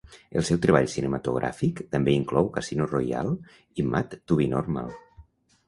El seu treball cinematogràfic també inclou "Casino Royale" i "Mad to Be Normal".